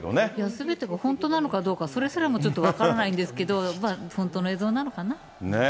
すべてが本当なのかどうか、それすらもちょっと分からないんですけど、本当の映像なのかな。